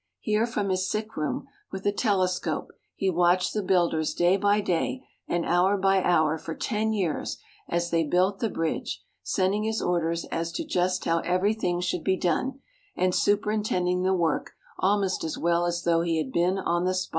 Here from his sick room with a telescope he watched the builders day by day and hour by hour for ten years as they built the bridge, sending his orders as to just how everything should be done, and superintending the work almost as well as though he had been on the spot.